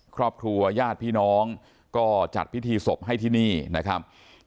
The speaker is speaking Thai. ครอบครัวญาติพี่น้องก็จัดพิธีศพให้ที่นี่นะครับ